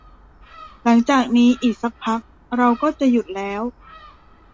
หลังจากนี้อีกสักพักเราก็จะหยุดแล้ว